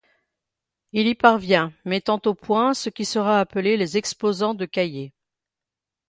Il y parvient, mettant au point ce qui sera appelé les exposants de Caillé.